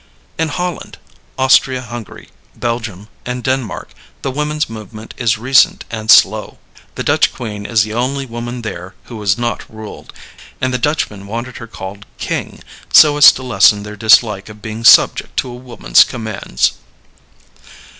In Holland, Austria Hungary, Belgium, and Denmark the woman's movement is recent and slow. The Dutch Queen is the only woman there who is not ruled; and the Dutchman wanted her called "king," so as to lessen their dislike of being subject to a woman's commands.